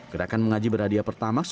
gerakan mengaji berhadiah per tamak